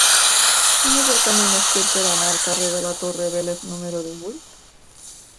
Quin és el camí més curt per anar al carrer de la Torre Vélez número divuit?